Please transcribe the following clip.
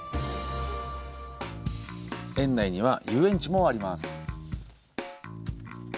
園内には、遊園地もあります。